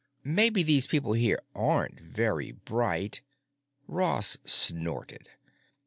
Maybe these people here aren't very bright——" Ross snorted.